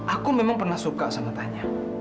aku memang pernah suka sama tanya